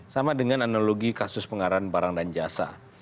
sama dengan analogi kasus pengarahan barang dan jasa